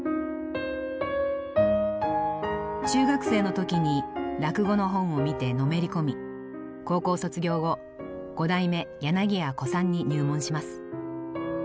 中学生の時に落語の本を見てのめり込み高校卒業後五代目柳家小さんに入門します。